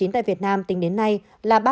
tại việt nam tính đến nay là ba mươi hai ca